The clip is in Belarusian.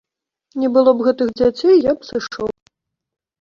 Не было б гэтых дзяцей, я б сышоў.